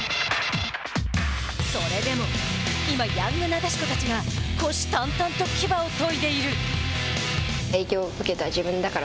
それでも今、ヤングなでしこたちが虎視たんたんと牙を研いでいる。